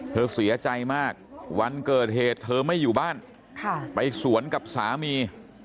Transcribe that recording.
เธอเสียใจมากวันเกิดเหตุเธอไม่อยู่บ้านไปสวนกับสามี